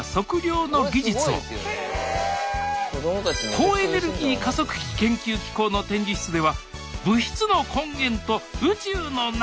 高エネルギー加速器研究機構の展示室では物質の根源と宇宙の謎！